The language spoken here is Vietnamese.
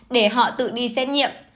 để họ tự đi xét nhiệm